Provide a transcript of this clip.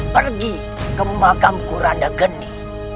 pergi ke makam kuranda gede